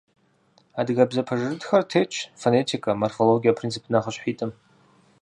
Адыгэбзэ пэжырытхэр тетщ фонетикэ, морфологие принцип нэхъыщхьитӏым.